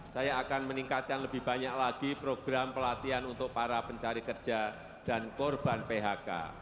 saya akan meningkatkan lebih banyak lagi program pelatihan untuk para pencari kerja dan korban phk